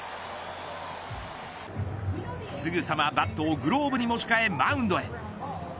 すぐさまバットをグローブに持ち替えマウンドへ。